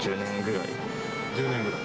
１０年ぐらい。